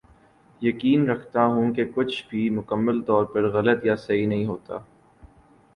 یقین رکھتا ہوں کہ کچھ بھی مکمل طور پر غلط یا صحیح نہیں ہوتا